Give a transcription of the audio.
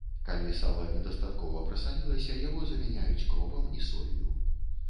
Калі сала недастаткова прасалілася, яго замяняюць кропам і соллю.